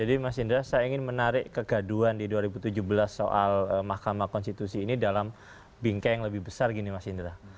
jadi mas indra saya ingin menarik kegaduan di dua ribu tujuh belas soal mahkamah konstitusi ini dalam bingkai yang lebih besar gini mas indra